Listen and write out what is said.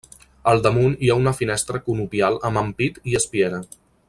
Al damunt hi ha una finestra conopial amb ampit i espiera.